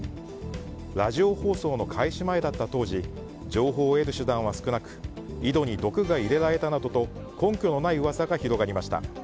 ラジオ放送の開始前だった当時情報を得る手段は少なく井戸に毒が入れられたなどと根拠のない噂が広がりました。